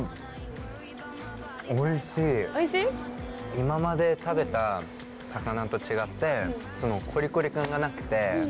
今まで食べた魚と違ってコリコリ感がなくて。